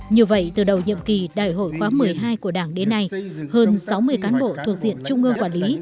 như vậy từ đầu nhiệm kỳ đại hội khóa một mươi hai của đảng đến nay hơn sáu mươi cán bộ thuộc diện trung ương quản lý